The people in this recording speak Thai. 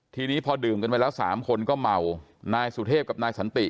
ทีนี้พอดื่มกันไปแล้วสามคนก็เมานายสุเทพกับนายสันติ